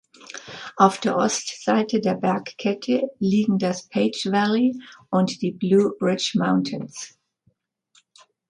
Auf der Ostseite der Bergkette liegen das Page Valley und die Blue Ridge Mountains.